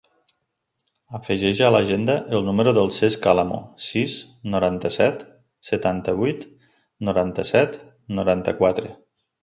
Afegeix a l'agenda el número del Cesc Alamo: sis, noranta-set, setanta-vuit, noranta-set, noranta-quatre.